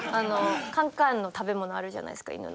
缶々の食べ物あるじゃないですか犬の餌。